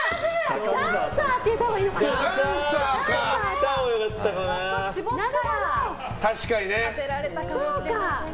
ダンサーって言ったほうがよかったのかな。